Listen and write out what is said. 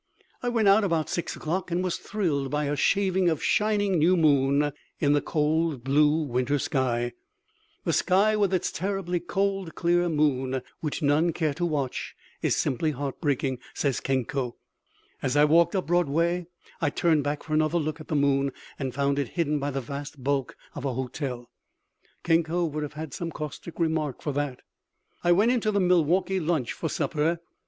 I went out about six o'clock, and was thrilled by a shaving of shining new moon in the cold blue winter sky "the sky with its terribly cold clear moon, which none care to watch, is simply heart breaking," says Kenko. As I walked up Broadway I turned back for another look at the moon, and found it hidden by the vast bulk of a hotel. Kenko would have had some caustic remark for that. I went into the Milwaukee Lunch for supper.